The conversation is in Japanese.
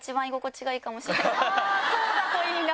そうだといいな！